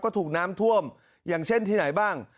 ก็ถูกน้ำท่วมอย่างเช่นที่ไหนบ้าง